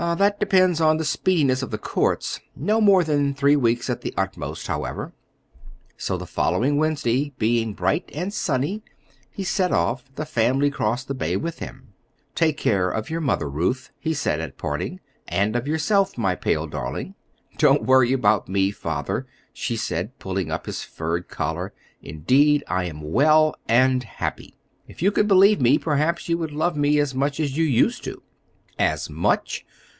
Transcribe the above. "That depends on the speediness of the courts. No more than three weeks at the utmost, however." So the following Wednesday being bright and sunny, he set off; the family crossed the bay with him. "Take care of your mother, Ruth," he said at parting, "and of yourself, my pale darling." "Don't worry about me, Father," she said, pulling up his furred collar; "indeed, I am well and happy. If you could believe me, perhaps you would love me as much as you used to." "As much!